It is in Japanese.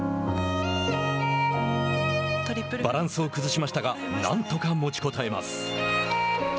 バランスを崩しましたがなんとか持ちこたえます。